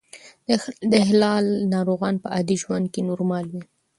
د اختلال ناروغان په عادي ژوند کې نورمال وي.